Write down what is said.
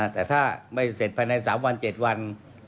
แต่ถ้าไม่เสร็จภายใน๓วัน๗วัน